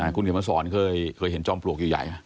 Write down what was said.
คุณเกมศรเคยเห็นจอมปลวกอยู่ใหญ่ไหม